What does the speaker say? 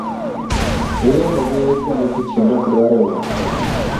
Iriembo gi kuonde tich kendo ok dwa riwruok kodgi.